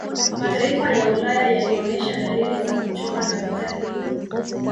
Mataifa ya Ulaya yalionesha dalili za kuchoka na vita hii